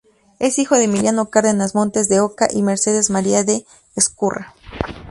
Es hijo de Emilio Cárdenas Montes de Oca y Mercedes María de Ezcurra.